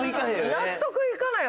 納得いかないよ。